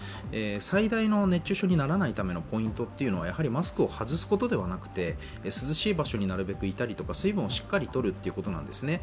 最大の熱中症にならないためのポイントはマスクを外すことではなくて、涼しい場所になるべくいたりとか水分をしっかり取るということなんですね。